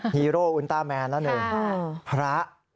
ฮีโร่อุลตอร์แมนนั้นหนึ่งพระ